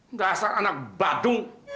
nggak asal anak badung